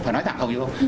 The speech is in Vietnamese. phải nói tạm hầu như không